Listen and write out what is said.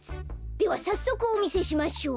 ではさっそくおみせしましょう。